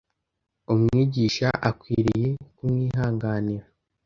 umwigisha akwiriye kumwihanganira,